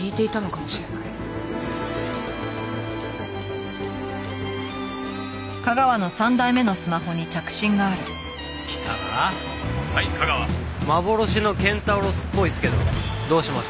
「はい架川」幻のケンタウロスっぽいですけどどうします？